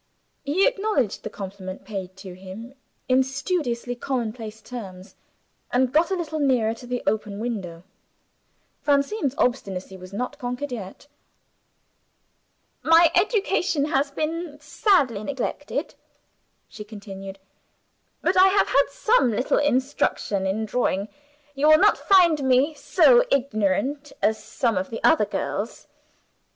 He acknowledged the compliment paid to him in studiously commonplace terms, and got a little nearer to the open window. Francine's obstinacy was not conquered yet. "My education has been sadly neglected," she continued; "but I have had some little instruction in drawing. You will not find me so ignorant as some of the other girls."